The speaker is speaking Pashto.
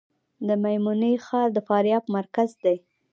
د میمنې ښار د فاریاب مرکز دی